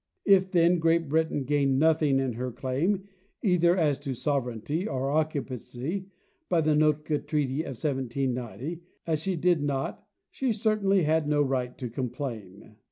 If, then, Great Britain gained nothing in her claim, either as to sovereignty or occupancy, by the Nootka treaty of 1790, as she did not, she certainly had no right to complain.